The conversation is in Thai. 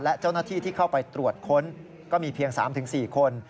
และเจ้าหน้าที่ที่เข้าไปตรวจค้นก็มีเพียง๓๔คน